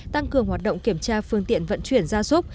tăng cường hoạt động kiểm tra phương tiện vận chuyển gia súc